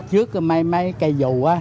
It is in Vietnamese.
trước mấy cây dù